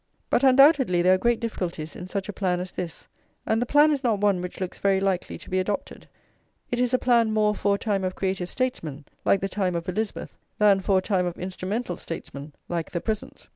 But undoubtedly there are great difficulties in such a plan as this; and the plan is not one which looks very likely to be adopted. It is a plan more for a time of creative statesmen, like the time of Elizabeth, than for a time of instrumental [liv] statesmen like the present.